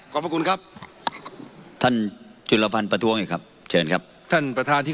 ขอบคุณครับท่านจุลพันธ์ประท้วงอีกครับเชิญครับท่านประธานที่